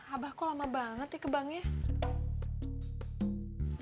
abah kok lama banget nih ke banknya